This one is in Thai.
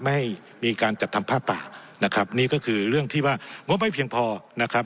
ไม่ให้มีการจัดทำผ้าป่านะครับนี่ก็คือเรื่องที่ว่างบไม่เพียงพอนะครับ